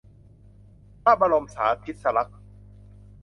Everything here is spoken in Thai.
พระบรมสาทิสลักษณ์